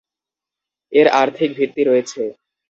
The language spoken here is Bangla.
এর আর্থিক ভিত্তি রয়েছে।